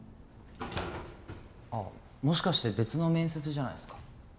ああもしかして別の面接じゃないっすか？